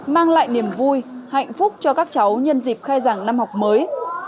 mang lại niềm vui hạnh phúc cho các cháu nhân dịp khai giảng năm học mới